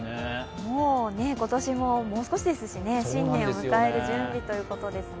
もう今年ももう少しですし、新年を迎える準備ということですね。